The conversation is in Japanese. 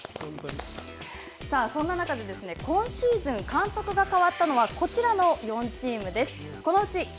さあ、そんな中で、今シーズン、監督が変わったのは、こちらの４チームです。